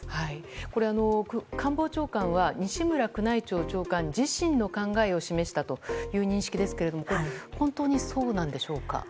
これ、官房長官は西村宮内庁長官自身の考えを示したという認識ですが本当にそうなんでしょうか？